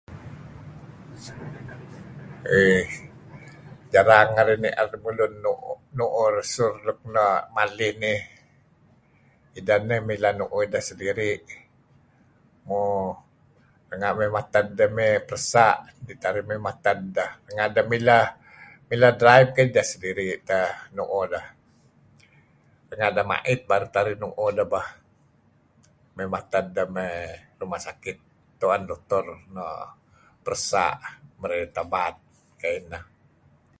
Eh jarang arih ni'er deh nu'uh desur nuk no' malih nih ideh neh mileh mu'uh ideh sendiri' . Mo renga' uih mated deh mey peresa' lit arih mey mated deh. Renga' ideh mileh mileh drive keh ideh sendiri' teh nu'uh deh. Mo' renga' deh ma'it baru teh arih nu'uh deh bah. Mey mated deh mey ruma' sakit tu'en doktor peresa' merey tabat kayu' ineh.